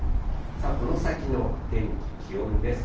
この先の天気、気温です。